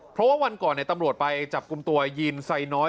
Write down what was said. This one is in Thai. เพราะว่าวันก่อนตำรวจไปจับกลุ่มตัวยีนไซน้อย